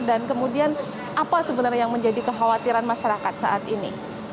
dan kemudian apa sebenarnya yang menjadi kekhawatiran masyarakat saat ini